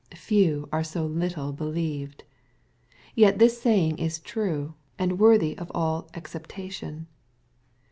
Few are so little believed. Yet this saying is true, and worthy of all acceptation.